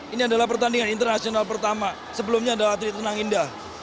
ini adalah pertandingan internasional pertama sebelumnya adalah atlet renang indah